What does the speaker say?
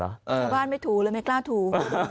ตะภาพไม่ถูเลยไม่กล้าถู